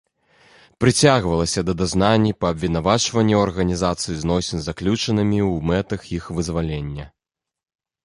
Прыцягвалася да дазнанні па абвінавачванні ў арганізацыі зносін з заключанымі ў мэтах іх вызвалення.